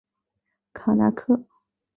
卡那刻。